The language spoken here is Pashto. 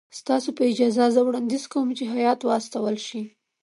ستاسو په اجازه زه وړاندیز کوم چې هیات واستول شي.